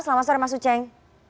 selamat sore mas uceng